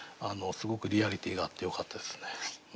すごくリアリティーがあってよかったですね。